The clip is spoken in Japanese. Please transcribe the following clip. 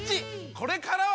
これからは！